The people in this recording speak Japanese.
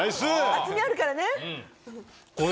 厚みあるからね。